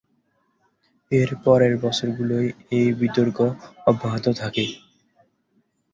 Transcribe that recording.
এর পরের বছরগুলোয় এ বিতর্ক অব্যাহত থাকে।